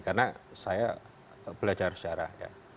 karena saya belajar sejarah ya